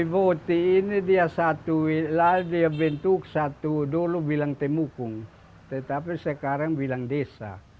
boti ini dia satu wilayah dia bentuk satu dulu bilang temukung tetapi sekarang bilang desa